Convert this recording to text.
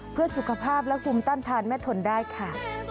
เพื่อสุขภาพและภูมิต้านทานแม่ทนได้ค่ะ